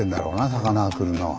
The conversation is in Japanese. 魚が来るのを。